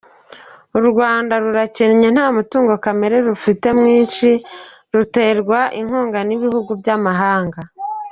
U Rwanda rurakennye nta mutungo kamere rufite mwinshi, ruterwa inkunga n’ibihugu by’amahanga.